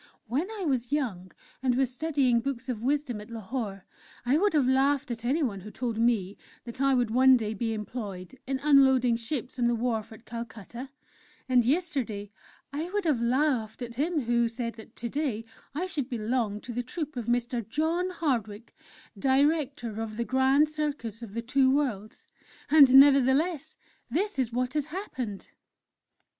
When I was young and was studying books of wisdom at Lahore, I would have laughed at anyone who told me that I would one day be employed in unloading ships on the wharf at Calcutta; and yesterday I would have laughed at him who said that to day I should belong to the troupe of Mr. John Hardwick, Director of the 'Grand Circus of the Two Worlds' and nevertheless that is what has happened!"